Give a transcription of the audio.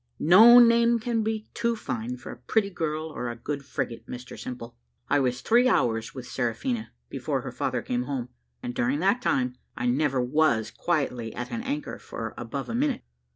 "No name can be too fine for a pretty girl or a good frigate, Mr Simple. I was three hours with Seraphina before her father came home, and during that time I never was quietly at an anchor for above a minute.